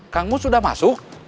kangmu sudah masuk